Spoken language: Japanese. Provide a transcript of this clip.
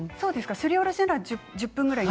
すりおろしたら１０分ぐらいで。